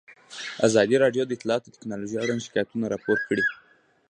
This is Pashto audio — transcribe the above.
ازادي راډیو د اطلاعاتی تکنالوژي اړوند شکایتونه راپور کړي.